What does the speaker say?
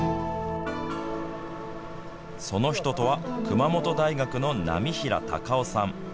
その人とは熊本大学の浪平隆男さん。